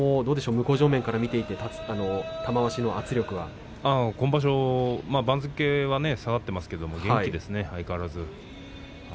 向正面から見ていて今場所、番付は下がっていますけれど元気ですね、相変わらず。